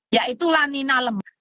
yaitu lanina lemah